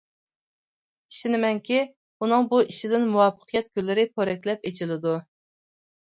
ئىشىنىمەنكى، ئۇنىڭ بۇ ئىشىدىن مۇۋەپپەقىيەت گۈللىرى پورەكلەپ ئېچىلىدۇ.